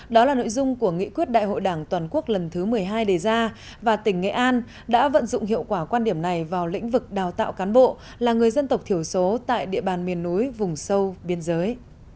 đó là nội dung của nghị quyết đại hội đảng toàn quốc lần thứ một mươi hai đề ra và tỉnh nghệ an đã vận dụng hiệu quả quan điểm này vào lĩnh vực đào tạo cán bộ là người dân tộc thiểu số tại địa bàn miền núi vùng sâu biên giới